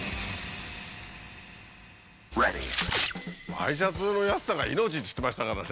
「ワイシャツの安さが命！」っつってましたからね。